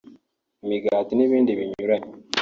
imigati n’ibindi binyuranye